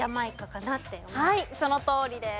はいそのとおりです。